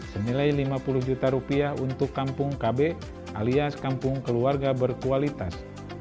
senilai lima puluh juta rupiah untuk kampung kb alias kampung keluarga berkualitas